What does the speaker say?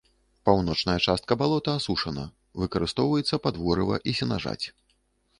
Паўночная частка балота асушана, выкарыстоўваецца пад ворыва і сенажаць.